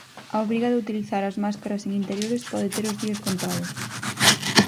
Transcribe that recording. A obriga de utilizar as máscaras en interiores pode ter os días contados.